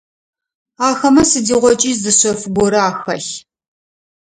Ахэмэ сыдигъокӏи зы шъэф горэ ахэлъ.